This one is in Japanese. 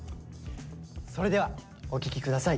それではお聴き下さい。